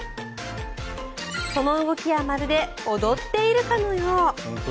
その動きはまるで踊っているかのよう。